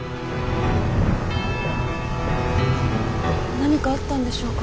何かあったんでしょうか。